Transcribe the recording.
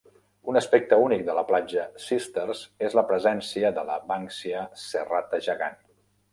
Un aspecte únic de la platja Sisters és la presència de la Banksia serrata gegant.